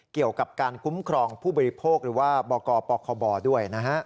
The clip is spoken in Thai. เกี่ยวกับการคุ้มครองผู้บริโภคหรือว่าบกปคบด้วยนะฮะ